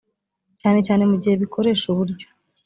cyane cyane mu gihe bikoresha uburyo